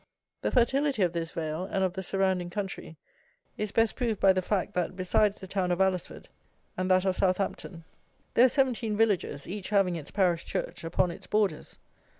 The fertility of this vale, and of the surrounding country, is best proved by the fact that, besides the town of Alresford and that of Southampton, there are seventeen villages, each having its parish church, upon its borders.